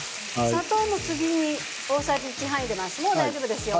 砂糖も次に大さじ１半入れますよ。